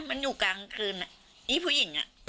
มันอยู่กลางคืนนี่ผู้หญิงอ่ะ